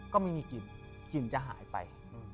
ก็ไม่มีกลิ่นกลิ่นจะหายไป